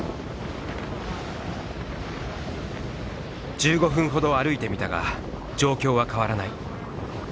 １５分ほど歩いてみたが状況は変わらない。